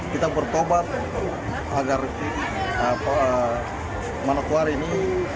kita bertobat agar manokwari ini